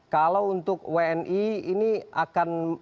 kalau untuk wni ini akan